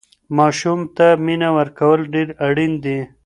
ماسوم ته مینه ورکول ډېر اړین دي.